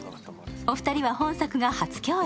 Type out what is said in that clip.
お二人は本作が初共演。